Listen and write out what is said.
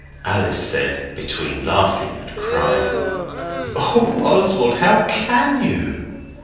Alice said, between laughing and crying 'Oh, Oswald, how can you!